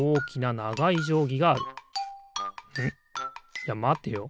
いやまてよ。